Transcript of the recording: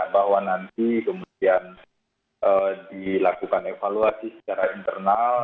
bahwa nanti kemudian dilakukan evaluasi secara internal